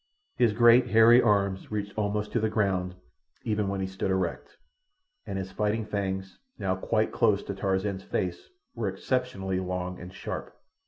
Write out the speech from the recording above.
His great, hairy arms reached almost to the ground even when he stood erect, and his fighting fangs, now quite close to Tarzan's face, were exceptionally long and sharp.